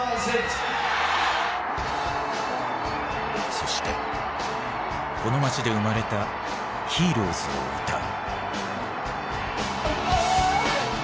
そしてこの街で生まれた「Ｈｅｒｏｅｓ」を歌う。